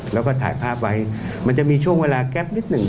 แล้วก็ถ่ายภาพไว้มันจะมีช่วงเวลาแก๊ปนิดหนึ่ง